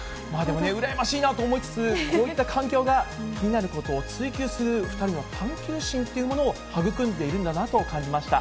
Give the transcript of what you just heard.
羨ましいなと思いつつ、こういった環境が気になることを追究する２人の探究心というものを育んでいるんだなと感じました。